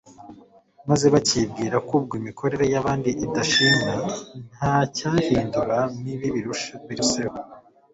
maze bakibwira ko ubwo imikorere y'abandi idashimwa nta cyayihindura mibi biruseho.